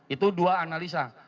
itu dua analisa